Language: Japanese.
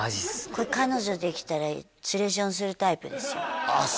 これ彼女できたら連れションするタイプですよあっ